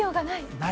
ない。